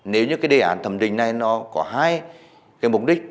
nếu như cái đề án thẩm định này nó có hai cái mục đích